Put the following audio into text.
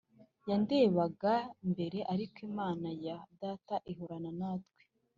yandebaga mbere ariko Imana ya data ihorana natwe